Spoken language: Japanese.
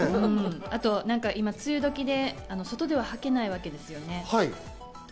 今、梅雨時で外では履けないわけですよね。